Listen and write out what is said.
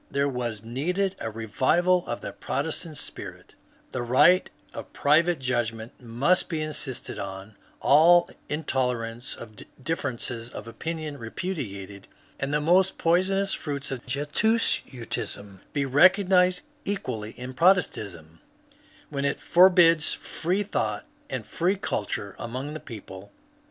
There was needed a ^^ revival of the Protestant spirit ;" the right of private judgment must be insisted on, all intolerance of differences of opinion repudiated, and the most poisonous fruits of Jesuitism be recognized equally in Protestantism ^* when it forbids free thought and free culture among the people."